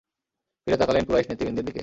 ফিরে তাকালেন কুরাইশ নেতৃবৃন্দের দিকে।